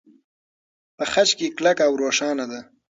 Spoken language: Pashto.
په خج کې کلکه او روښانه ده.